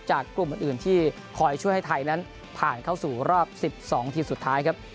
กลุ่มอื่นที่คอยช่วยให้ไทยนั้นผ่านเข้าสู่รอบ๑๒ทีมสุดท้ายครับ